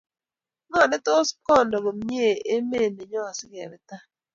Ngo ne tos kondoi komnye emet nenyon si kepe tai